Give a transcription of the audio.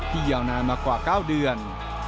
ยาวนานมากว่า๙เดือน